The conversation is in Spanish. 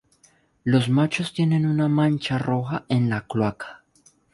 Los machos tienen una mancha roja en la cloaca.